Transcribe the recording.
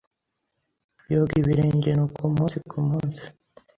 yoga ibirenge nuko umunsi ku munsi